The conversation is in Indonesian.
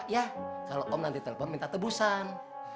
ya kalau om nanti telepon minta tebusan